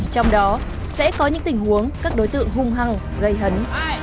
trong đó sẽ có những tình huống các đối tượng hung hăng gây hấn